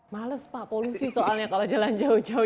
males pak polusi soalnya kalau jalan jauh jauh